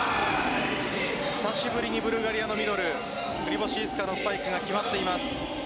久しぶりにブルガリアのミドルクリボシイスカのスパイクが決まっています。